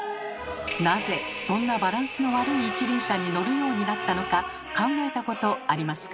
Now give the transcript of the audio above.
なぜそんなバランスの悪い一輪車に乗るようになったのか考えたことありますか？